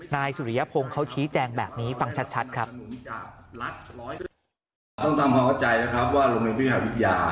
นายสุริยพงศ์เขาชี้แจงแบบนี้ฟังชัดครับ